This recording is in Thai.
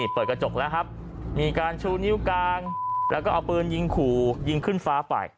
เปิดกระจกแล้วครับมีการชูนิ้วกลางแล้วก็เอาปืนยิงขู่ยิงขึ้นฟ้าไป